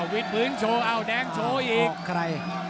วิทย์พื้นโชว์อ้าวแดงโชว์อีกใคร